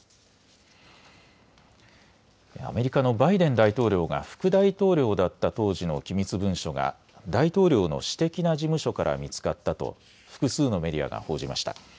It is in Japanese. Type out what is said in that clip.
アメリカのバイデン大統領が副大統領だった当時の機密文書が大統領の私的な事務所から見つかったと複数のメディアが報じました。